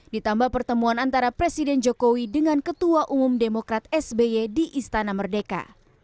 ditambah pertemuan antara presiden jokowi dengan ketua umum demokrat sby di istana merdeka